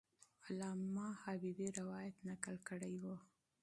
علامه حبیبي روایت نقل کړی وو.